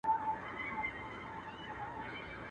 ځيرک ښکاري په يوه ټک دوه نښانه ولي.